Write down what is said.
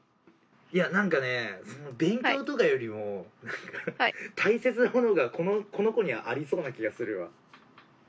何か、勉強とかよりも大切なものがこの子にはありそうな気がするわ。